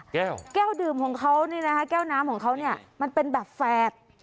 แก้วแก้วดื่มของเขานี่นะคะแก้วน้ำของเขาเนี่ยมันเป็นแบบแฝด